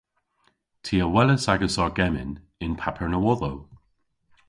Ty a welas agas argemmyn y'n paper nowodhow.